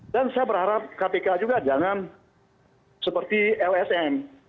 dan saya berharap kpk juga jangan seperti lsm